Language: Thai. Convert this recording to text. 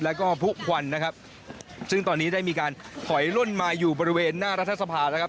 แล้วก็ผู้ควันนะครับซึ่งตอนนี้ได้มีการถอยล่นมาอยู่บริเวณหน้ารัฐสภานะครับ